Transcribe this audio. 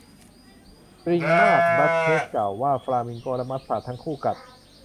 'จริงมาก' ดัชเชสกล่าวว่า :'ฟลามิงโกและมัสตาร์ดทั้งคู่กัด'